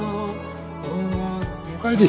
おかえり。